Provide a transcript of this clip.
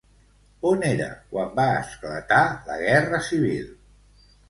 On era quan va esclatar la Guerra civil?